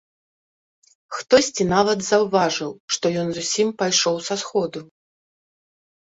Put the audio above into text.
Хтосьці нават заўважыў, што ён зусім пайшоў са сходу.